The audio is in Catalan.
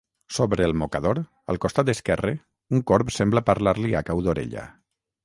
Sobre el mocador, al costat esquerre, un corb sembla parlar-li a cau d'orella.